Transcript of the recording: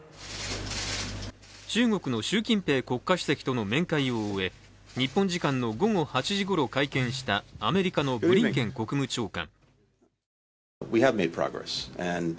中国の習近平国家主席との面会を終え日本時間の午後８時ごろ会見したアメリカのブリンケン国務長官。